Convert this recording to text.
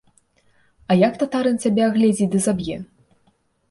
А як татарын цябе агледзіць ды заб'е?